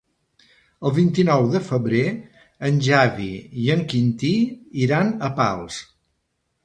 El vint-i-nou de febrer en Xavi i en Quintí iran a Pals.